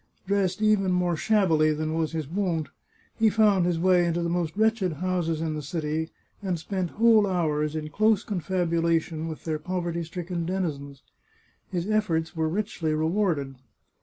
Dressed even more shabbily than was his wont, he found his way into the most wretched houses in the city, and spent whole hours in close confabulation with their poverty stricken denizens. His efforts were richly re warded.